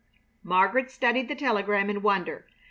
Margaret studied the telegram in wonder.